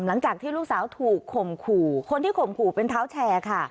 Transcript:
หลังจากที่ลูกสาวถูกข่มขู่คนที่ข่มขู่เป็นเท้าแชร์ค่ะ